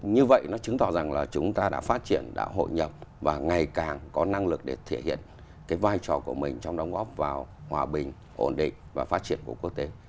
như vậy nó chứng tỏ rằng là chúng ta đã phát triển đã hội nhập và ngày càng có năng lực để thể hiện cái vai trò của mình trong đóng góp vào hòa bình ổn định và phát triển của quốc tế